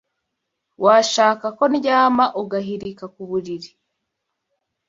Washaka ko ndyama Ugahilika ku bulili